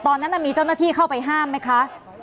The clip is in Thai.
ตอนนั้นมีเจ้าหน้าที่เข้าไปห้ามไหมคะ